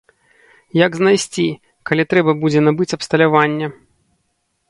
Як знайсці, калі трэба будзе набыць абсталяванне?